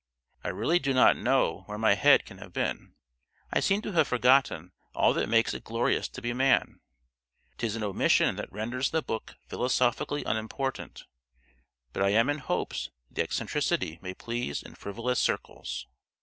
—I really do not know where my head can have been. I seem to have forgotten all that makes it glorious to be man.—'Tis an omission that renders the book philosophically unimportant; but I am in hopes the eccentricity may please in frivolous circles.